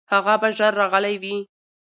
هغه به ژر راغلی وي.